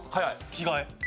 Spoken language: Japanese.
着替え。